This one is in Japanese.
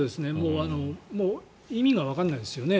意味がわからないですよね